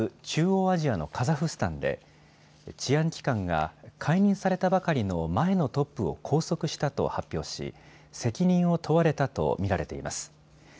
中央アジアのカザフスタンで治安機関が解任されたばかりの前のトップを拘束したと発表し責任を問われたと見られています。